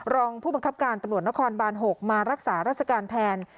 รองผู้บังคับการตำรวจนครบาน๖มารักษาราชการแทน